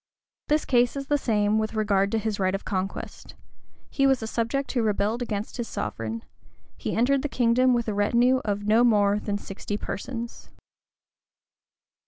The case is the same with regard to his right of conquest: he was a subject who rebelled against his sovereign: he entered the kingdom with a retinue of no more than sixty persons.